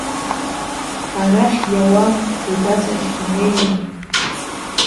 Арахь иауам, угәаҵахь инеиуам.